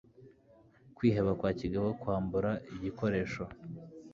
Kwiheba kwa kigabo kwambura igikoresho